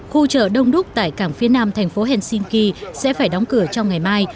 khu chợ đông đúc tại cảng phía nam thành phố helsinki sẽ phải đóng cửa trong ngày mai